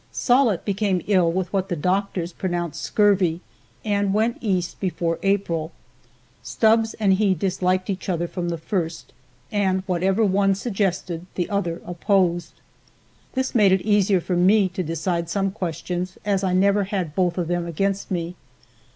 Sollitt became ill with what the doctors pronounced scurvy, and went East before April. Stubbs and he disliked each other from the first, and whatever one suggested the other opposed. This made it easier for me to decide some questions, as I never had both of them against me.